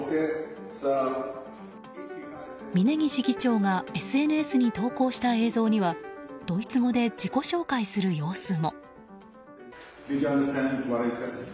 峯岸議長がＳＮＳに投稿した映像にはドイツ語で自己紹介する様子も。